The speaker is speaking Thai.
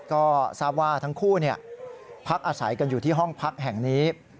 ก็ทราบว่าทั้งคู่พักอาศัยกันอยู่ที่ห้องพักแห่งนี้